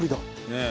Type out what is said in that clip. ねえ。